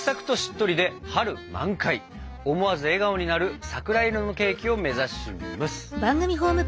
思わず笑顔になる桜色のケーキを目指します！